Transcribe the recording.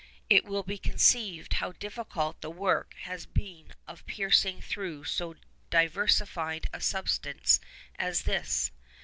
It will be conceived how difficult the work has been of piercing through so diversified a substance as this.